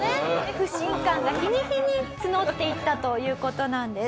不信感が日に日に募っていったという事なんです。